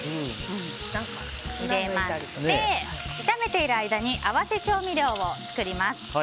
炒めている間に合わせ調味料を作ります。